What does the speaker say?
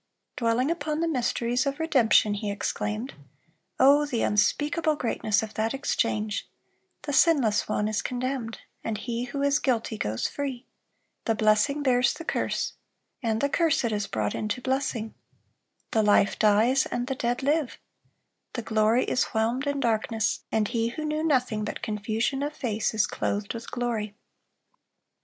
(314) Dwelling upon the mysteries of redemption, he exclaimed, "Oh, the unspeakable greatness of that exchange,—the Sinless One is condemned, and he who is guilty goes free; the Blessing bears the curse, and the cursed is brought into blessing; the Life dies, and the dead live; the Glory is whelmed in darkness, and he who knew nothing but confusion of face is clothed with glory."